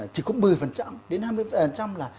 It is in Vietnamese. thì cũng một mươi đến hai mươi là